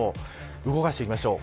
動かしてきましょう。